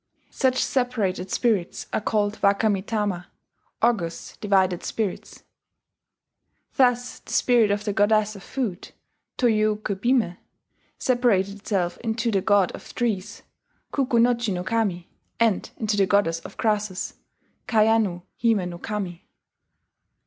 Such separated spirits are called waka mi tama ("august divided spirits"). Thus the spirit of the Goddess of Food, Toyo uke bime, separated itself into the God of Trees, Kukunochi no Kami, and into the Goddess of Grasses, Kayanu hime no Kami.